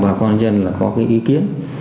bà con dân là có cái ý kiến